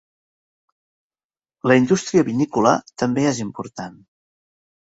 La indústria vinícola també és important.